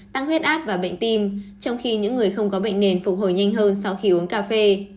tăng huyết áp và bệnh tim trong khi những người không có bệnh nền phục hồi nhanh hơn sau khi uống cà phê